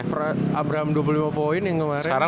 pras abraham dua puluh lima poin yang kemaren